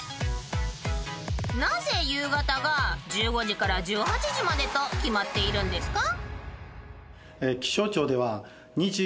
［なぜ夕方が１５時から１８時までと決まっているんですか？］